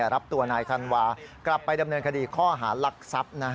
รับตัวนายธันวากลับไปดำเนินคดีข้อหารักทรัพย์